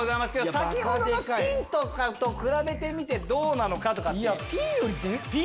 先ほどのピンと比べてみてどうなのか？とか。